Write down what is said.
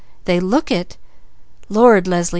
"They look it! Lord, Leslie!"